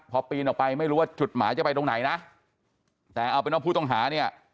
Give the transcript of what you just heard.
พอปีนออกไปไม่รู้ว่าจุดหมายจะไปตรงไหนนะแต่เอาเป็นว่าผู้ต้องหาเนี่ย